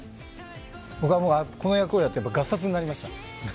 僕はこの役をやっていてがさつになりました。